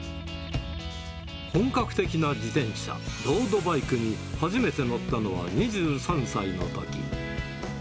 本格的な自転車、ロードバイクに初めて乗ったのは２３歳のとき。